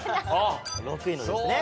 ６位のですね。